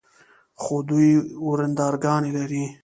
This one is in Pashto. خو دوې ورندرګانې لري.